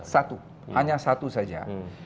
satu hanya satu saja